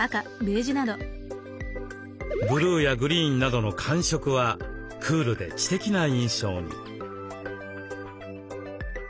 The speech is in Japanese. ブルーやグリーンなどの寒色はクールで知的な印象に。